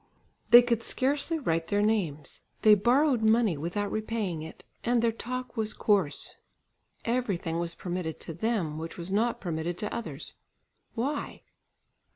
They could scarcely write their names, they borrowed money without repaying it, and their talk was coarse. Everything was permitted to them, which was not permitted to others. Why?